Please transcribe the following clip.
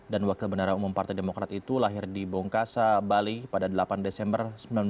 dan wakil pendahara umum partai demokrat itu lahir di bongkasa bali pada delapan desember seribu sembilan ratus tujuh puluh satu